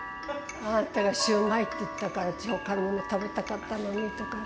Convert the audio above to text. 「あなたがシューマイって言ったから私ほかのもの食べたかったのに」とかって。